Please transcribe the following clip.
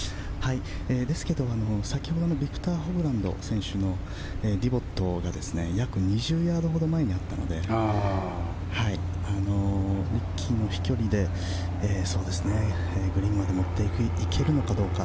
ですけど、先ほどのビクトル・ホブランのディボットが約２０ヤードほど前にあったのでリッキーの飛距離でグリーンまで持っていけるのかどうか。